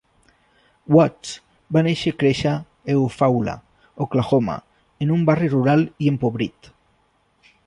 Watts va néixer i créixer a Eufaula, Oklahoma, en un barri rural i empobrit.